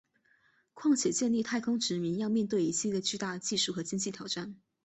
况且建立太空殖民要面对一系列巨大的技术和经济挑战。